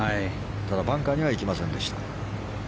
ただ、バンカーには行きませんでした。